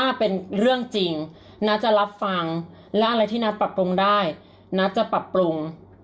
แอรี่แอรี่แอรี่แอรี่แอรี่แอรี่